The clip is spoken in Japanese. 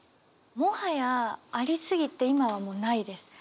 もはやありすぎて今はもうないです。